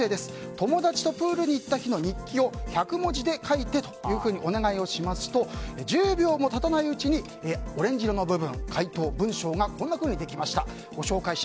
友達とプールに行った日の日記を１００文字で書いてというふうにお願いをしますと１０秒も経たないうちにオレンジ色の部分、回答の文章がこんなふうにできました。